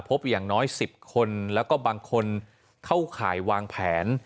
อย่างน้อย๑๐คนแล้วก็บางคนเข้าข่ายวางแผน